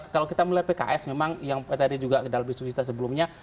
kalau kita melihat pks memang yang tadi juga dalam diskusi kita sebelumnya